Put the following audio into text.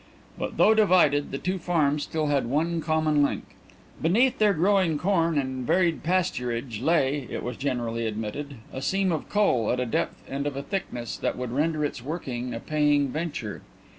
But though divided, the two farms still had one common link. Beneath their growing corn and varied pasturage lay, it was generally admitted, a seam of coal at a depth and of a thickness that would render its working a paying venture.